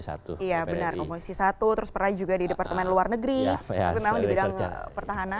satu iya benar komisi satu terus pernah juga di departemen luar negeri tapi memang di bidang pertahanan